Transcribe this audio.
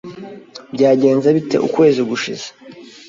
Byagenze bite ukwezi gushize?